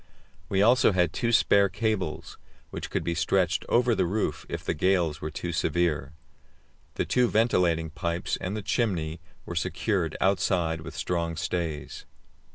We also had two spare cables, which could be stretched over the roof if the gales were too severe. The two ventilating pipes and the chimney were secured outside with strong stays.